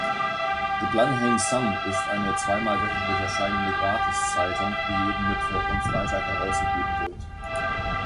The Blenheim Sun ist eine zweimal wöchentlich erscheinende Gratiszeitung, die jeden Mittwoch und Freitag herausgegeben wird.